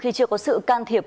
khi chưa có sự can thiệp